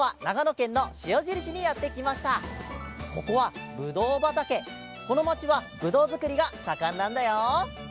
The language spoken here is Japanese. このまちはぶどうづくりがさかんなんだよ。